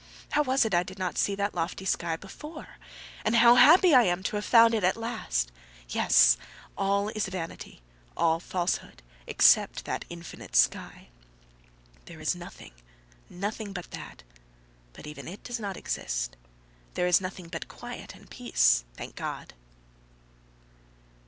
How was it I did not see that lofty sky before? And how happy I am to have found it at last! Yes! All is vanity, all falsehood, except that infinite sky. There is nothing, nothing, but that. But even it does not exist, there is nothing but quiet and peace. Thank God!..."